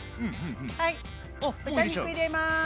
はい豚肉入れます。